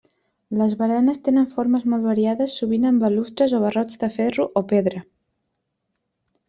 Les baranes tenen formes molt variades sovint amb balustres o barrots de ferro o pedra.